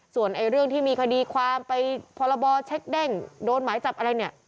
ส่วนเรื่องที่มีคดีความไปพรบเช็คเด้งโดนหมายจับอะไรเนี่ย